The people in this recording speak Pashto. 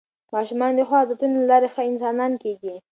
ماشومان د ښو عادتونو له لارې ښه انسانان کېږي